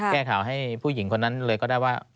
แก้ข่าวให้ผู้หญิงคนนั้นเลยก็ได้ว่า